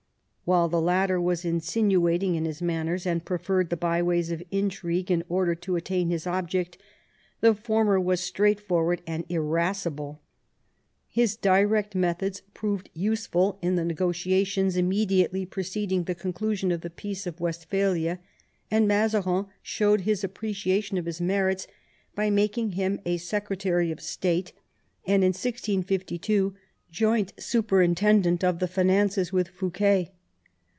While the latter was insinuating in his manners, and preferred the byways of intrigue in order to attain his object, the former was straightforward and irascible. His direct methods proved useful in the IX MAZARIN'S DEATH, CHARACTER, AND WORK 178 negotiations immediately preceding the conclusion of the Peace of Westphalia, and Mazaria showed his ap preciation of his merits by making him a secretary of state, and in 1652 joint superintendent of the finances with Fouquet.